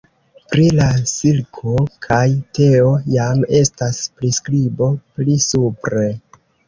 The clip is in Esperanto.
Pri la silko kaj teo jam estas priskribo pli supre.